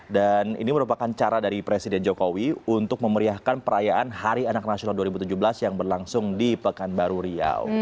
dan ini merupakan cara dari presiden jokowi untuk memeriahkan perayaan hari anak nasional dua ribu tujuh belas yang berlangsung di pekanbaru riau